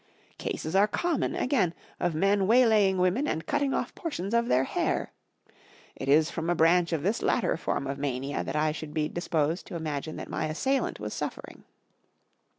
Cases are common, again, of men waylaying women and cutting off portions of their hair. It is from a branch, of this latter form of'mania that I should be dis¬ posed to imagine that my assailant was suffering.